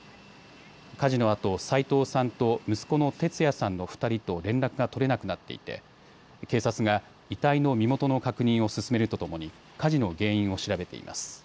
火事のあと齋藤さんと息子の哲也さんの２人と連絡が取れなくなっていて警察が遺体の身元の確認を進めるとともに火事の原因を調べています。